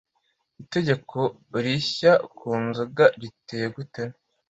itegeko rishya ku nzoga riteye gute?